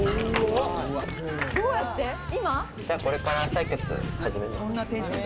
これから採血始めます。